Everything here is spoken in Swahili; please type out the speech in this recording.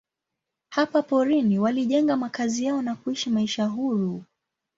Hapa porini walijenga makazi yao na kuishi maisha huru.